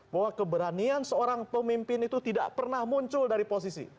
bahwa keberanian seorang pemimpin itu tidak pernah muncul dari posisi